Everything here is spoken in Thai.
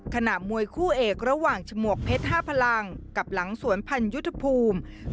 ขณะมวยคู่เอกระหว่างฉมวกเพชร๕พลังกับหลังสวนพันยุทธภูมิ